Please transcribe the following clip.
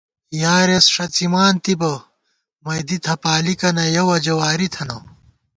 یارېس ݭڅِمان تِبہ مئیدی تھپالِکنہ یَہ وجہ واری تھنہ